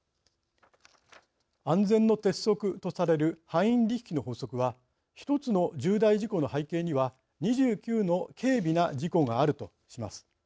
安全の鉄則とされるハインリッヒの法則はひとつの重大事故の背景には２９の軽微な事故があるとします。